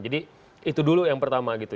jadi itu dulu yang pertama gitu